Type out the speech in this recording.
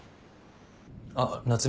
あっ夏海。